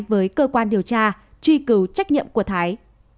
với cơ quan điều tra truy cứu trách nhiệm của thái